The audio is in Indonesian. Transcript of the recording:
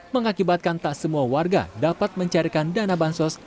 mengakibatkan tak semua warga dapat mencairkan dana bantuan sosial